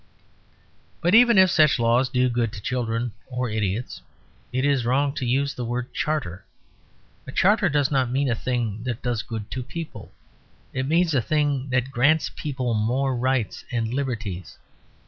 But even if such laws do good to children or idiots, it is wrong to use the word "charter." A charter does not mean a thing that does good to people. It means a thing that grants people more rights and liberties.